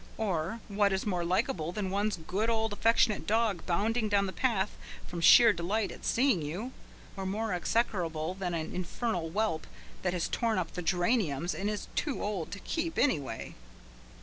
Or, what is more likeable than one's good, old, affectionate dog bounding down the path from sheer delight at seeing you, or more execrable than an infernal whelp that has torn up the geraniums and is too old to keep, anyway?